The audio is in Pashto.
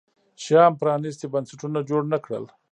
شیام پرانیستي بنسټونه جوړ نه کړل.